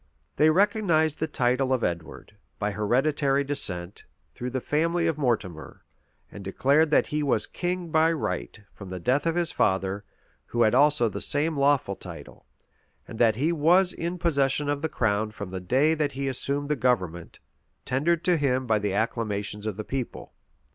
They recognized the title of Edward, by hereditary descent, through the family of Mortimer; and declared that he was king by right, from the death of his father, who had also the same lawful title; and that he was in possession of the crown from the day that he assumed the government, tendered to him by the acclamations of the people.